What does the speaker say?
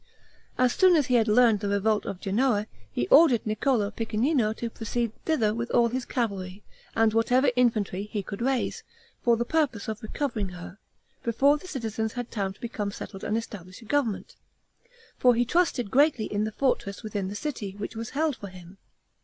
As soon as he had learned the revolt of Genoa, he ordered Niccolo Piccinino to proceed thither with all his cavalry and whatever infantry he could raise, for the purpose of recovering her, before the citizens had time to become settled and establish a government; for he trusted greatly in the fortress within the city, which was held for him.